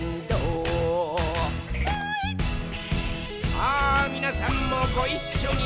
さあ、みなさんもごいっしょに！